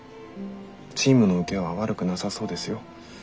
チームのウケは悪くなさそうですよ。